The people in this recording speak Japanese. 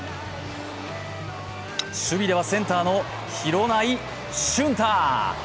守備ではセンターの廣内駿汰！